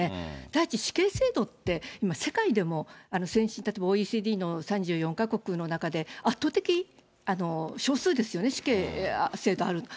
第一、死刑制度って今、世界でも先進、例えばＯＥＣＤの３４か国の中で、圧倒的少数ですよね、死刑制度ある。